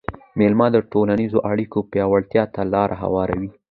مېله د ټولنیزو اړیکو پیاوړتیا ته لاره هواروي.